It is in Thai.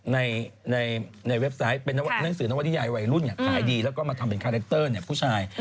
ในเว็บไซต์เป็นหนังสือนวนิยายวัยรุ่นขายดีแล้วก็มาทำเป็นคาแรคเตอร์ผู้ชาย